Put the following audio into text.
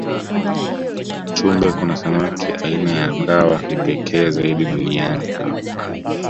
chumbe kuna samaki aina ya kaa wakipekee zaidi duniani